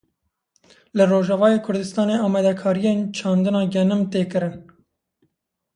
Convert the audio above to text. Li Rojavayê Kurdistanê amadekariyên çandina genim tê kirin.